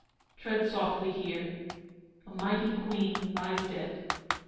Tread softly here, A mighty Queen lies dead.